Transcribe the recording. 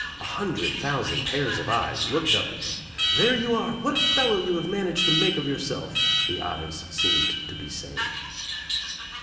A hundred thousand pairs of eyes looked up at him. "There you are I What a fellow you have managed to make of yourself I" the eyes seemed to be saying.